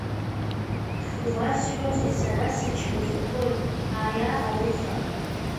Иуасҳәозеи, сара сычмазаҩхоит аииа ауха.